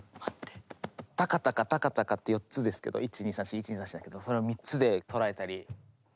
「タカタカタカタカ」って４つですけど１・２・３・４・１・２・３・４だけどそれを３つで捉えたり。